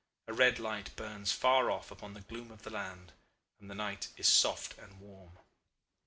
A red light burns far off upon the gloom of the land, and the night is soft and warm.